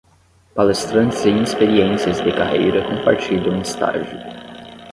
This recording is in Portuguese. Palestrantes em experiências de carreira compartilham estágio